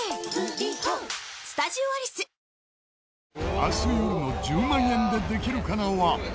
明日よるの『１０万円でできるかな』は。